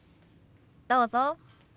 どうぞ。